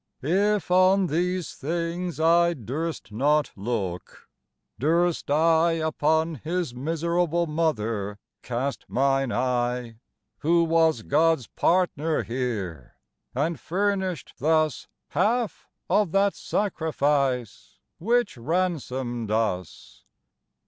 If on these things I durst not looke, durst IUpon his miserable mother cast mine eye, Who was Gods partner here, and furnish'd thusHalfe of that Sacrifice, which ransom'd us?